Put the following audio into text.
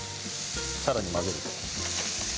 さらに混ぜる。